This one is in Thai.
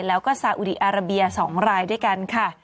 แล้วก็ซาอุดีอาราเบีย๒รายด้วยกันค่ะ